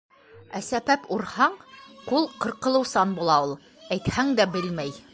Ә сәпәп урһаң, ҡул ҡырҡылыусан була ул. Әйтһәң дә белмәй.